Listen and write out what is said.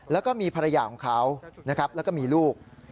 แล้วก็มีภรรยาของเขานะครับแล้วก็มีลูก